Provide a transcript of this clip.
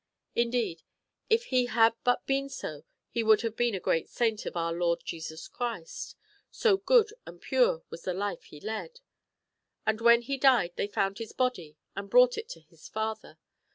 Indeed, if he had but been so, he would have been a great saint of Our Lord Jesus Christ, so good and pure was the life he led.^ And when he died they found his body and brought it to his father.